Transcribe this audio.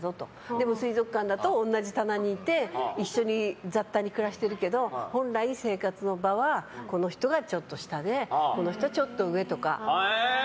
でも、水族館だと同じ棚にいて一緒に雑多に暮らしてるけど本来、生活の場はこの人がちょっと下でこの人はちょっと上とか。